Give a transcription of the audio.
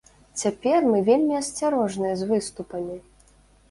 Цяпер мы вельмі асцярожныя з выступамі.